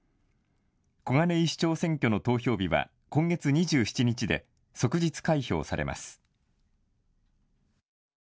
小金井市長選挙の投票日は今月２７日で、即日開票されます。